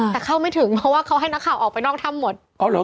แต่เข้าไม่ถึงเพราะว่าเขาให้นักข่าวออกไปนอกถ้ำหมด